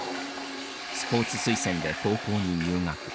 スポーツ推薦で高校に入学。